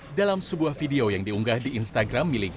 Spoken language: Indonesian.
ini nasib saya berada di bandar lampung